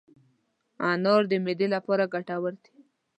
انار د معدې لپاره ګټور دی.